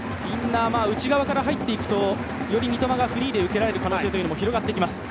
内側から入っていくとより三笘がフリーで受けられる可能性も広がっていきます。